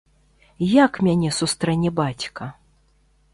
Як мяне сустрэне бацька?